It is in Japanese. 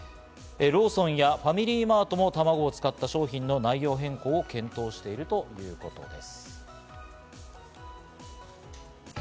ローソンやファミリーマートもたまごを使った商品の内容変更を検討しているということです。